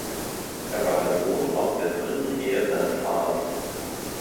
Er war der Sohn aus der dritten Ehe seines Vaters.